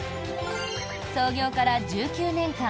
創業から１９年間